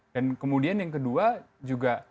dan kemudian yang kedua juga